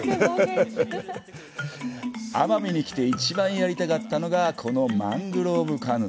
奄美に来て一番やりたかったのがこのマングローブカヌー。